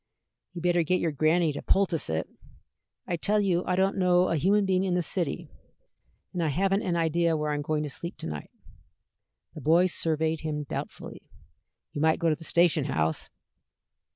"Ye'd better get yer granny to poultice it." "I tell you I don't know a human being in this city, and I haven't an idea where I am going to sleep to night." The boy surveyed him doubtfully. "You might go to the station house."